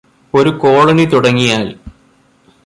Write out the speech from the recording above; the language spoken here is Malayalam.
ഒരു കോളനി തുടങ്ങിയാല്